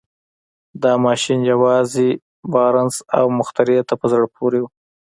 دا ماشين يوازې بارنس او مخترع ته په زړه پورې و.